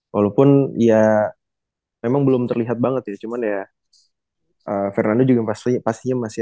walaupun ya memang belum terlihat banget ya cuman ya fernando juga pastinya masih ada adjustment adjustment sedikit